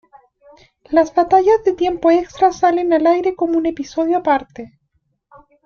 Las batallas de tiempo extra salen al aire como un episodio aparte.